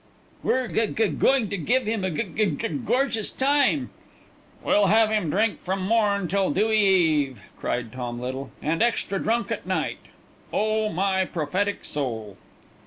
"We're gug gug going to give him a gug gug gorgeous time." "We'll have him drunk from morn till dewy eve," cried Tom Little, "and extra drunk at night. Oh, my prophetic soul!"